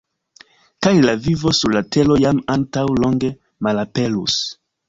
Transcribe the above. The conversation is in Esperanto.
Kaj la vivo sur la Tero jam antaŭ longe malaperus.